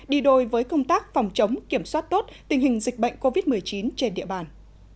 đi đôi với công tác phòng chống kiểm soát tốt tình hình dịch bệnh covid một mươi chín trên địa bàn